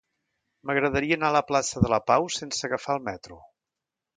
M'agradaria anar a la plaça de la Pau sense agafar el metro.